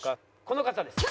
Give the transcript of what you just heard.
この方です。